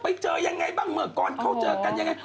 ไปเจอยังไงบ้างเมื่อก่อนเขาเจอกันยังไง